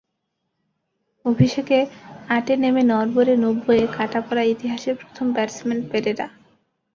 অভিষেকে আটে নেমে নড়বড়ে নব্বইয়ে কাটা পড়া ইতিহাসের প্রথম ব্যাটসম্যান পেরেরা।